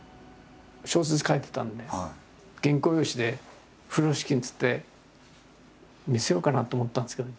小説書いてたんで原稿用紙で風呂敷につって見せようかなと思ったんですけど。